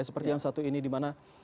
seperti yang satu ini dimana